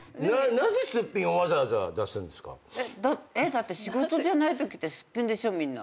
だって仕事じゃないときってすっぴんでしょみんな。